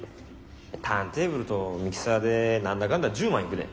ターンテーブルとミキサーで何だかんだ１０万いくで。